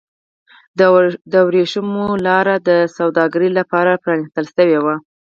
د ورېښمو لاره د سوداګرۍ لپاره پرانیستل شوه.